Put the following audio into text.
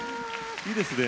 いいですね。